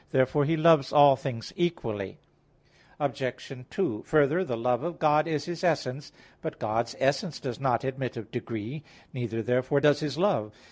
Therefore He loves all things equally. Obj. 2: Further, the love of God is His essence. But God's essence does not admit of degree; neither therefore does His love.